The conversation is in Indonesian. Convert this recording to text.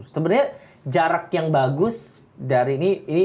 sebenarnya jarak yang bagus dari ini